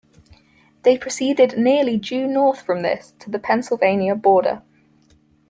They proceeded nearly due north from this, to the Pennsylvania border.